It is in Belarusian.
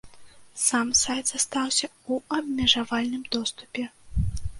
Сам сайт застаўся ў абмежавальным доступе.